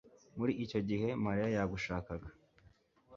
muri icyo gihe, mariya yagushakaga